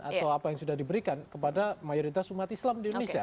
atau apa yang sudah diberikan kepada mayoritas umat islam di indonesia